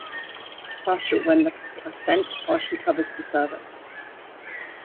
Partial : When the placent partially covers the cervix.